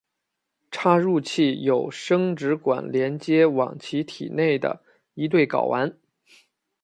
插入器有生殖管连接往其体内的一对睾丸。